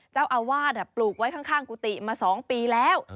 เจ้าอาวาสปลูกไว้ข้างกุฏิมา๒ปีแล้ว